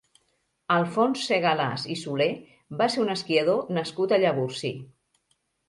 Alfons Segalàs i Solé va ser un esquiador nascut a Llavorsí.